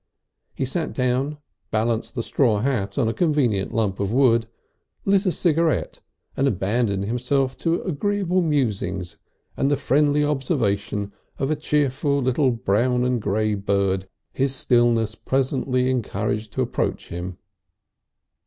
He sat down, balanced the straw hat on a convenient lump of wood, lit a cigarette, and abandoned himself to agreeable musings and the friendly observation of a cheerful little brown and grey bird his stillness presently encouraged to approach him.